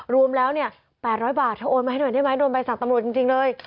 รวมแล้ว๘๐๐บาทเธอโอนมาให้หน่อยได้ไหมโดนใบสั่งตำรวจจริงเลย